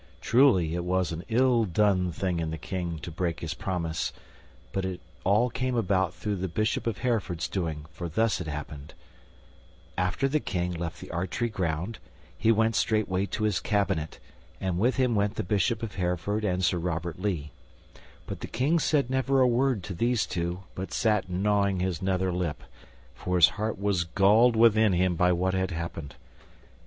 Truly, it was an ill done thing in the King to break his promise, but it all came about through the Bishop of Hereford's doing, for thus it happened: After the King left the archery ground, he went straightway to his cabinet, and with him went the Bishop of Hereford and Sir Robert Lee; but the King said never a word to these two, but sat gnawing his nether lip, for his heart was galled within him by what had happened.